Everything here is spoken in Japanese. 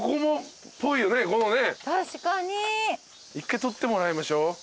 １回撮ってもらいましょう。